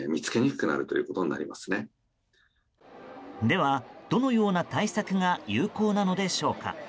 では、どのような対策が有効なのでしょうか。